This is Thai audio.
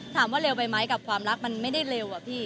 ถามว่าเร็วไปไหมกับความรักมันไม่ได้เร็วอะพี่